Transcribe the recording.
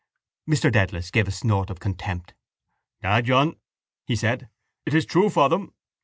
Mr Dedalus gave a snort of contempt. —Ah, John, he said. It is true for them.